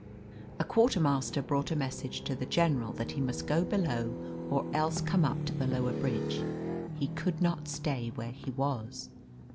A quartermaster brought a message to the general that he must go below or else come up to the lower bridge. He could not stay where he was.